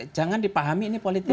jangan dipahami ini politik